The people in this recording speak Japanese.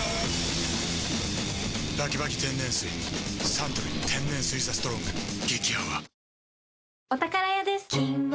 サントリー天然水「ＴＨＥＳＴＲＯＮＧ」激泡